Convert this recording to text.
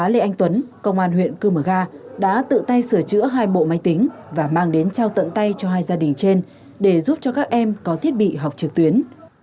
lê anh tuấn công an huyện cư mờ ga đã tự tay sửa chữa hai bộ máy tính và mang đến trao tận tay cho hai gia đình trên để giúp cho các em có thiết bị học trực tuyến